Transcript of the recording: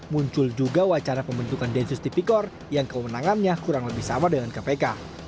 muncul juga wacana pembentukan densus tipikor yang kewenangannya kurang lebih sama dengan kpk